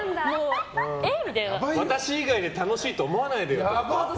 私以外で楽しいと思わないでよって。